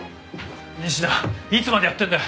仁科いつまでやってんだよ！